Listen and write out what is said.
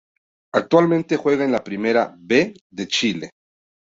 Actualmente juega en la Primera B de Chile.